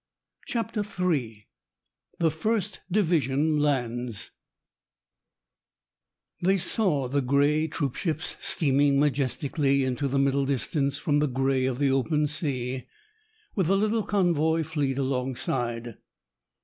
CHAPTER III THE FIRST DIVISION LANDS They saw the gray troop ships steaming majestically into the middle distance from the gray of the open sea, with the little convoy fleet alongside.